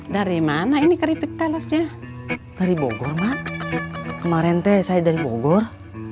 dari mana ini keripik thalasnya dari bogor kemarin teh saya dari bogor